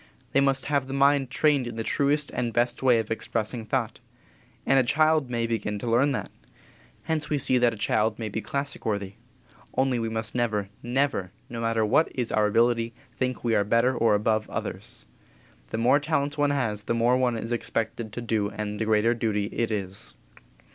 They must have the mind trained in the truest and best way of expressing thought. And a child may begin to learn that. Hence we see that a child may be classic worthy. Only we must never, never, no matter what is our ability, think we are better or above others. The more talents one has the more one is expected to do and the greater duty it is.